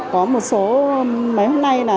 có một số mấy hôm nay là